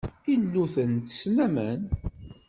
Iluten ttessen aman.